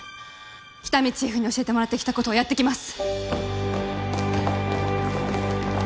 喜多見チーフに教えてもらってきたことをやってきます